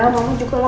mama juga lapar